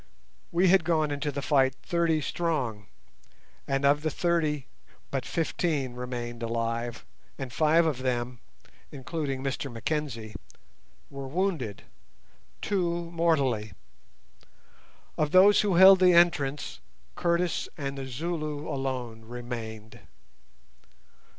We had gone into the fight thirty strong, and of the thirty but fifteen remained alive, and five of them (including Mr Mackenzie) were wounded, two mortally. Of those who held the entrance, Curtis and the Zulu alone remained.